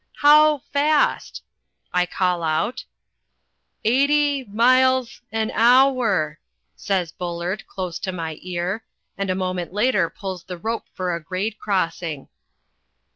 "How fast?" I call out. "Eighty miles an hour," says Bullard, close to my ear, and a moment later pulls the rope for a grade crossing.